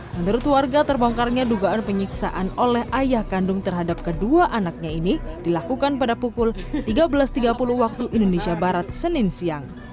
menurut warga terbongkarnya dugaan penyiksaan oleh ayah kandung terhadap kedua anaknya ini dilakukan pada pukul tiga belas tiga puluh waktu indonesia barat senin siang